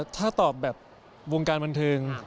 ถ้าตอบแบบวงการบันเทิง